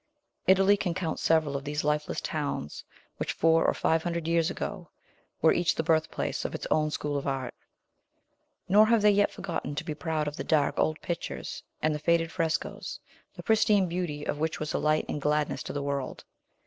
Italy can count several of these lifeless towns which, four or five hundred years ago, were each the birthplace of its own school of art; nor have they yet forgotten to be proud of the dark old pictures, and the faded frescos, the pristine beauty of which was a light and gladness to the world.